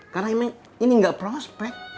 karena emang ini nggak prospek